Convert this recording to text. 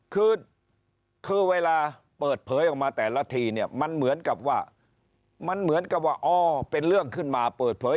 คือคือเวลาเปิดเผยออกมาแต่ละทีเนี่ยมันเหมือนกับว่ามันเหมือนกับว่าอ๋อเป็นเรื่องขึ้นมาเปิดเผย